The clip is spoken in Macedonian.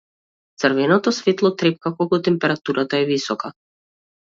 Црвеното светло трепка кога температурата е висока.